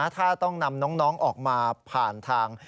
ถ้าต้องนำน้องออกมาผ่านทาง